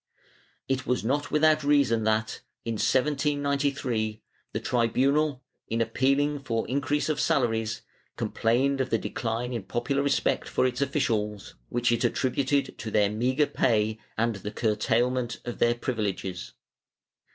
^ It was not without reason that, in 1793, the tribunal, in appealing for increase of salaries, complained of the decline in popular respect for its officials, which it attributed to their meagre pay and the curtailment of their privileges.